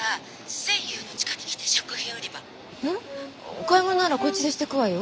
お買い物ならこっちでしてくわよ。